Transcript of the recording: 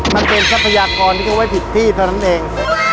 มันเป็นทรัพยากรที่เขาไว้ผิดที่เพราะนั้นเอง